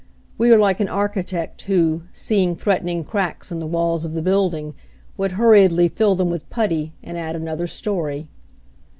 We are like an architect who, seeing threaten ing cracks in the walls of the building, would hur riedly fill them with putty and add another story.